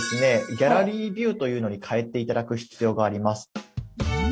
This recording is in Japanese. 「ギャラリービュー」というのに替えて頂く必要があります。